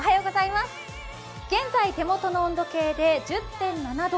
現在、手元の温度計で１０．７度。